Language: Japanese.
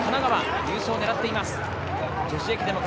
入賞を狙っています。